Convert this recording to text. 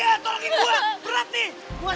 ya bunuh diri matang